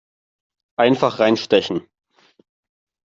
Einfach reinstechen!